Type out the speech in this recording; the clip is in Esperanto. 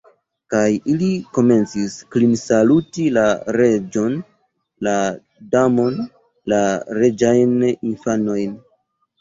Kaj ili komencis klinsaluti la Reĝon, la Damon, la reĝajn infanojn.